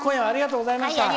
ありがとうございます！